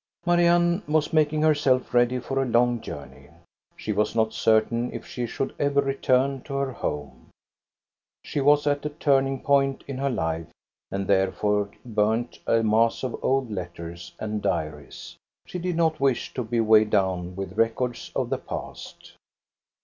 Marianne was making herself ready for a long jour ney. She was not certain if she should ever return to ^er home. She was at a turning point in her life and therefore burned a mass of old letters and diaries. She did not wish to be weighed down with records of the past.